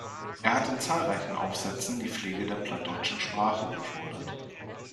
Er hat in zahlreichen Aufsätzen die Pflege der plattdeutschen Sprache gefordert.